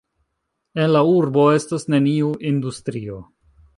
En la urbo estas neniu industrio.